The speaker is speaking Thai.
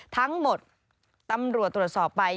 ทั้งหมดตำรวจตรวจสอบไป